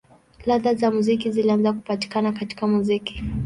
Ladha za muziki zilianza kupatikana katika muziki.